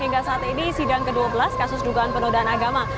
hingga saat ini sidang ke dua belas kasus dugaan penodaan agama